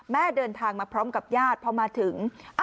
เดินทางมาพร้อมกับญาติพอมาถึง